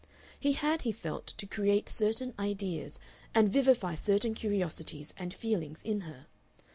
He had, he felt, to create certain ideas and vivify certain curiosities and feelings in her.